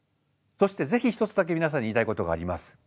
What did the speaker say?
そしてぜひ一つだけ皆さんに言いたいことがあります。